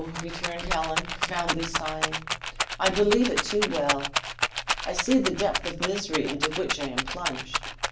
returned Helen, profoundly sighing, "I believe it too well. I see the depth of the misery into which I am plunged.